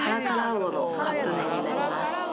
魚のカップ麺になります